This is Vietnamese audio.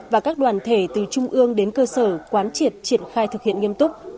và các đoàn thể từ trung ương đến cơ sở quán triệt triển khai thực hiện nghiêm túc